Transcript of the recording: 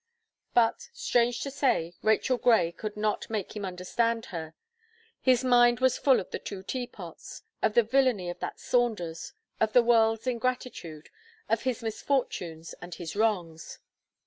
But, strange to say, Rachel Gray could not make him understand her; his mind was full of the two Teapots; of the villany of that Saunders; of the world's ingratitude; of his misfortunes and his wrongs.